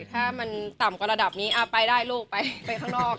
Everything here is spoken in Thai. ถ้ามันต่ำในระดำนี้อ้าไปได้ลูกไปข้างนอก